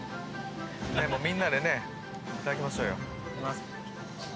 みんなでねいただきましょうよ。